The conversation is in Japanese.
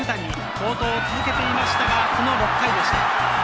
好投を続けていましたが、６回でした。